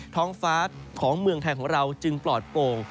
ท้องฟ้าของเมืองไทยของเราจึงปลอดโป่ง